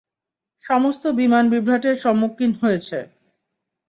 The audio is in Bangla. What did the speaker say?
সমস্ত বিমান বিভ্রাটের সম্মুখীন হয়েছে।